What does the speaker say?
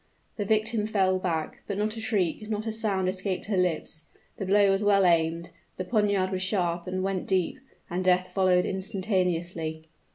The victim fell back; but not a shriek not a sound escaped her lips. The blow was well aimed, the poniard was sharp and went deep, and death followed instantaneously.